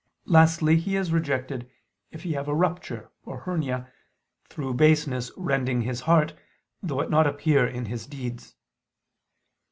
Lastly, he is rejected "if he have a rupture" or hernia; through baseness rending his heart, though it appear not in his deeds.